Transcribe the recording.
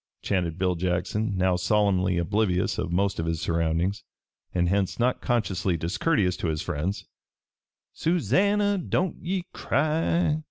chanted Bill Jackson, now solemnly oblivious of most of his surroundings and hence not consciously discourteous to his friends; "Susannah, don't ye cry!"